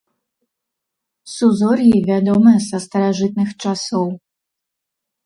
Сузор'е вядомае са старажытных часоў.